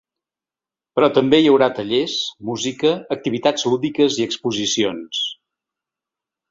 Però també hi haurà tallers, música, activitats lúdiques i exposicions.